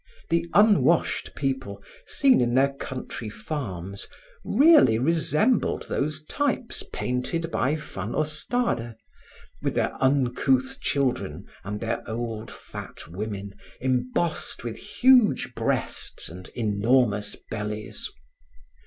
The unwashed people, seen in their country farms, really resembled those types painted by Van Ostade, with their uncouth children and their old fat women, embossed with huge breasts and enormous bellies.